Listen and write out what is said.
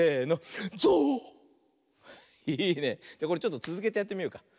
これちょっとつづけてやってみようか。